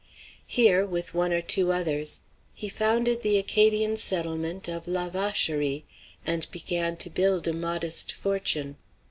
Here, with one or two others, he founded the Acadian settlement of "La Vacherie," and began to build a modest fortune.